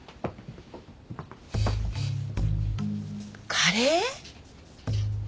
カレー？